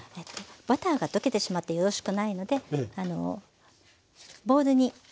バターが溶けてしまってよろしくないのでボウルに入れて。